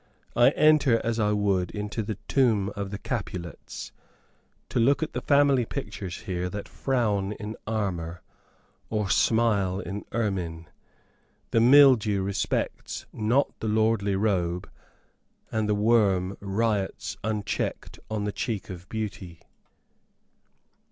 I enter as I would into the tomb of the Capulets, to look at the family pictures that here frown in armour, or smile in ermine. The mildew respects not the lordly robe, and the worm riots unchecked on the cheek of beauty.